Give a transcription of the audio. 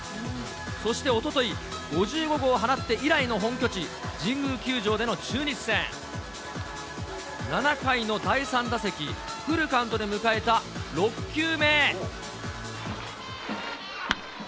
そしておととい、５５号を放って以来の本拠地、神宮球場での中日戦。７回の第３打席、フルカウントで迎えた６球目。